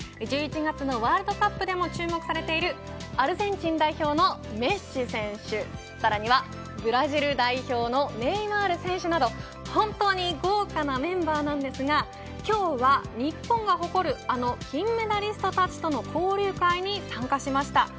１１月のワールドカップでも注目されているアルゼンチン代表のメッシ選手さらにはブラジル代表のネイマール選手など本当に豪華なメンバーなんですが今日は日本が誇るあの金メダリストたちとの交流会に参加しました。